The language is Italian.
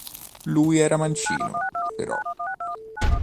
Lui era mancino, però.